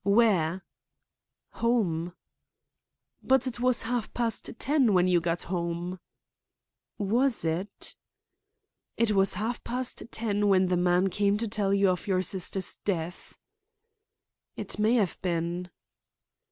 "Where?" "Home." "But it was half past ten when you got home." "Was it?" "It was half past ten when the man came to tell you of your sister's death." "It may have been."